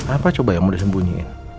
apa coba yang mau disembunyiin